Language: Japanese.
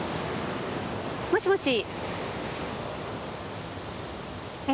もしもし。え！？